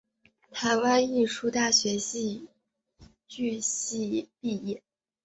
台湾艺术大学戏剧系毕业。